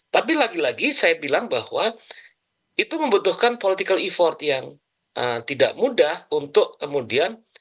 tapi lagi lagi saya bilang bahwa itu membutuhkan political effort yang tidak mudah untuk kemudian